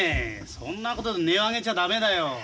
そんなことで音を上げちゃダメだよ。